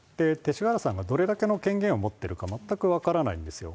勅使河原さんがどのぐらいの権限を持ってるか全く分からないんですよ。